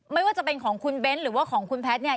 ไม่ว่าจะเป็นของคุณเบ้นหรือว่าของคุณแพทย์เนี่ย